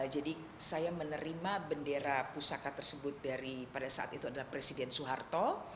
jadi saya menerima bandara pusaka tersebut dari pada saat itu adalah presiden soeharto